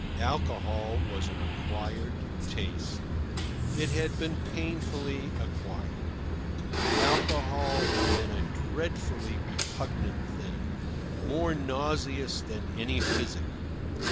Alcohol was an acquired taste. It had been painfully acquired. Alcohol had been a dreadfully repugnant thing more nauseous than any physic.